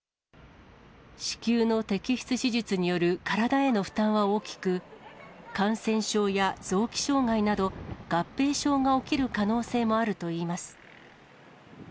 子宮の摘出手術による体への負担は大きく、感染症や臓器障害など、合併症が起きる可能性もあるといいます。